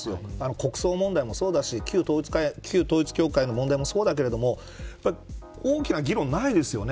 国葬問題も旧統一教会の問題もそうだけれども大きな議論ないですよね。